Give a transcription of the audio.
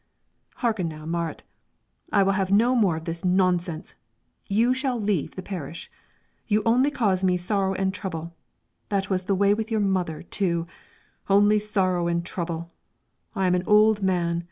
"Hearken now, Marit; I will have no more of this nonsense; you shall leave the parish. You only cause me sorrow and trouble; that was the way with your mother, too, only sorrow and trouble. I am an old man.